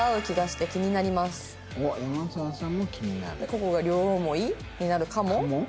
ここが両思いになるかも？かも？